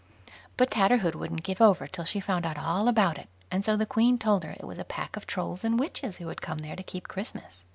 But Tatterhood wouldn't give over till she found out all about it and so the Queen told her it was a pack of Trolls and witches who had come there to keep Christmas.